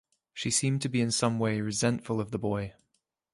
She seemed to be in some way resentful of the boy.